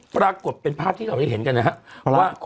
ปรากฏเป็นภาพที่เราได้เห็นกันนะครับว่า